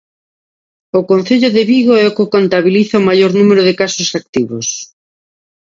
O concello de Vigo é o que contabiliza o maior número de casos activos.